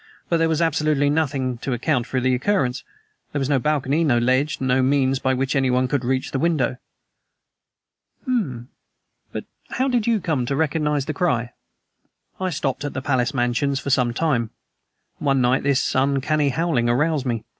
But there was absolutely nothing to account for the occurrence. There was no balcony, no ledge, by means of which anyone could reach the window." "But how did you come to recognize the cry?" "I stopped at the Palace Mansions for some time; and one night this uncanny howling aroused me.